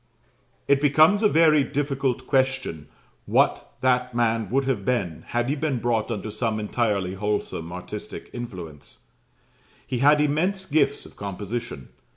It becomes a very difficult question what that man would have been, had he been brought under some entirely wholesome artistic influence, He had immense gifts of composition.